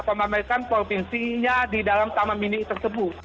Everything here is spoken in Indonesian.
memamerkan provinsinya di dalam taman mini tersebut